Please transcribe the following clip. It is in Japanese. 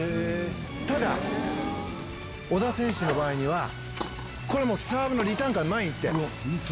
ただ、小田選手の場合には、これもう、サーブのリターンから前に行って。